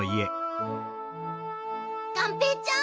がんぺーちゃん！